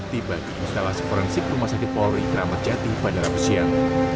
tiba di instalasi forensik rumah sakit polri ramadjati panjarabesian